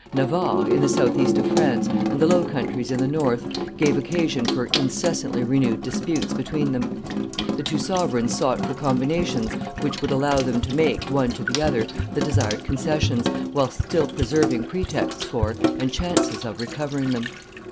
Navarre, in the south east of France, and the Low Countries in the north, gave occasion for incessantly renewed disputes between them. The two sovereigns sought for combinations which would allow them to make, one to the other, the desired concessions, whilst still preserving pretexts for and chances of recovering them.